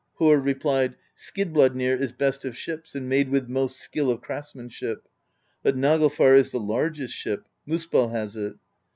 Harr replied: "Skidbladnir is best of ships and made with most skill of craftsmanship; but Naglfar is the largest ship ; Muspell has it.